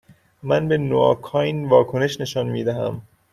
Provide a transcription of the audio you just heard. من به نواکائین واکنش نشان می دهم.